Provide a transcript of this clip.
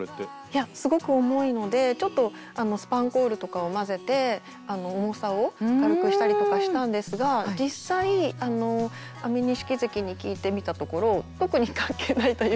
いやすごく重いのでちょっとスパンコールとかを交ぜて重さを軽くしたりとかしたんですが実際安美錦関に聞いてみたところ特に関係ないというか。